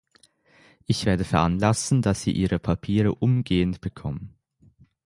Ich werde veranlassen, dass Sie Ihre Papiere umgehend bekommen.